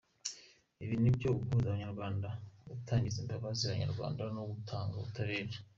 Ibyo ni uguhuza abanyarwanda, gutangariza imbabazi Abanyarwanda no gutanga ubutabera.